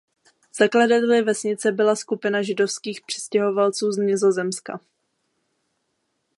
Zakladateli vesnice byla skupina židovských přistěhovalců z Nizozemska.